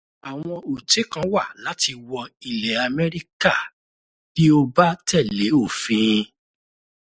Àwọn òté kan wà láti wọ ilẹ̀ Amẹ́ríkà bí o bá tẹ̀lé òfin.